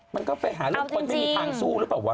มันก็ไปหาคนที่ไม่ฟังสู้หรือเปล่าวะ